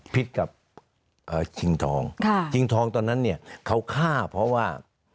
พิษกับชิงทองชิงทองตอนนั้นเนี่ยเขาฆ่าเพราะว่า